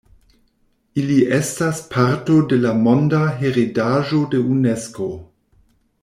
Ili estas parto de la Monda heredaĵo de Unesko.